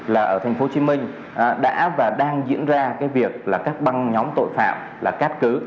là ở thành phố hồ chí minh đã và đang diễn ra cái việc là các băng nhóm tội phạm là cát cứ